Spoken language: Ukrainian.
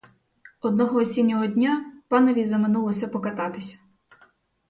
Одного осіннього дня панові заманулося покататися.